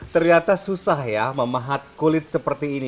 ternyata susah ya memahat kulit seperti ini